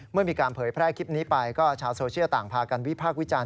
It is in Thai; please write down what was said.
เมื่อมีการเผยแพร่คลิปนี้ไปก็ชาวโซเชียลต่างพากันวิพากษ์วิจารณ